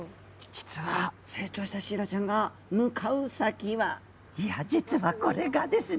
実は成長したシイラちゃんが向かう先はいや実はこれがですねまたまた流れ藻なんですね。